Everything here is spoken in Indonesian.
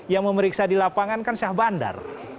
yang memeriksa di lapangan kan syah bandar